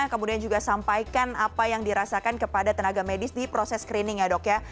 kemudian juga sampaikan apa yang dirasakan kepada tenaga medis di proses screening ya dok ya